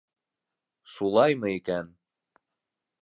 Шулаймы икән...